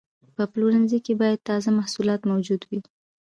په پلورنځي کې باید تازه محصولات موجود وي.